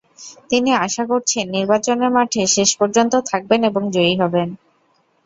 তিনি আশা করছেন, নির্বাচনের মাঠে শেষ পর্যন্ত থাকবেন এবং জয়ী হবেন।